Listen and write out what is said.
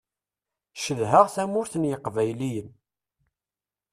Cedhaɣ tamurt n yiqbayliyen.